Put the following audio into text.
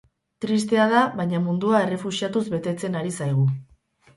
Tristea da, baina mundua errefuxiatuz betetzen ari zaigu.